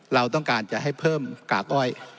เราต้องการจะให้เพิ่มกากอ้อย